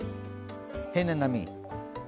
平年並み？